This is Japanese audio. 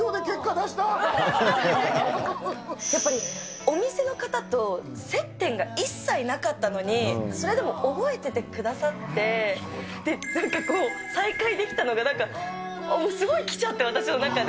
やっぱり、お店の方と接点が一切なかったのに、それでも覚えててくださって、なんか、再会できたのが、なんかもうすごいきちゃって、私の中で。